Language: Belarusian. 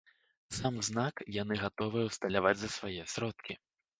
Сам знак яны гатовыя ўсталяваць за свае сродкі.